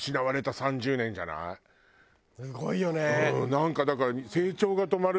なんかだから。